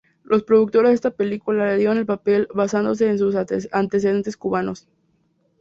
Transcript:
Los productores de esta película le dieron el papel basándose en sus antecedentes cubanos.